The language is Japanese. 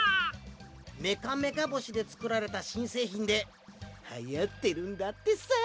メカメカ星でつくられたしんせいひんではやってるんだってさ。